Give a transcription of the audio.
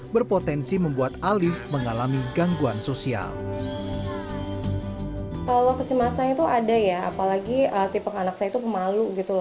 berpotensi membuat alif mengalami gangguan sosial